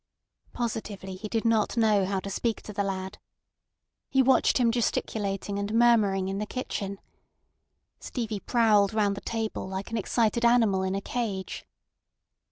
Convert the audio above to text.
Positively he did not know how to speak to the lad. He watched him gesticulating and murmuring in the kitchen. Stevie prowled round the table like an excited animal in a cage.